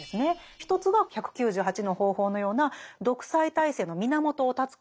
一つが１９８の方法のような独裁体制の源を断つ行動なんです。